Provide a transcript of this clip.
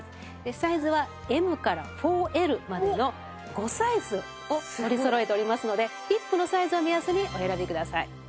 サイズはＭから４Ｌまでの５サイズを取りそろえておりますのでヒップのサイズを目安にお選びください。